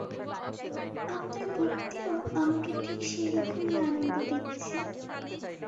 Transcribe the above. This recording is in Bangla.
আপনার ভক্তিও আমাকে ঠিক সেইরকম আনন্দ দিচ্ছে।